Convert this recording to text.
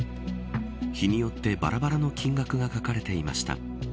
日によって、ばらばらの金額が書かれていました。